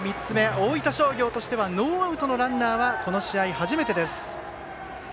大分商業としてはノーアウトのランナーはこの試合初めてです。